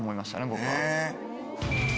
僕は。